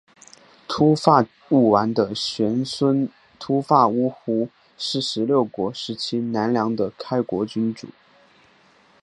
秃发务丸的玄孙秃发乌孤是十六国时期南凉的开国君主。